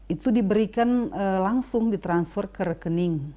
itu diberikan langsung ditransfer ke rekening